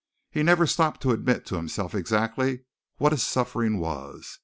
He never stopped to admit to himself exactly what his suffering was.